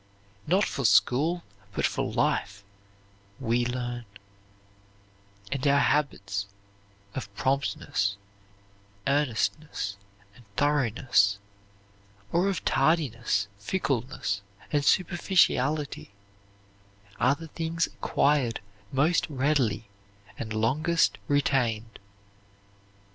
"Not for school, but for life, we learn"; and our habits of promptness, earnestness, and thoroughness, or of tardiness, fickleness, and superficiality are the things acquired most readily and longest retained.